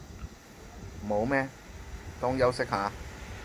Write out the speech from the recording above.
冇咩，當休息下